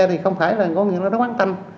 thì không phải là có nghĩa là nó quán tanh